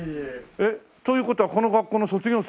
えっという事はこの学校の卒業生？